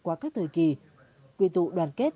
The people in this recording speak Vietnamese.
qua các thời kỳ quy tụ đoàn kết